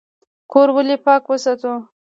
کور ولې پاک وساتو؟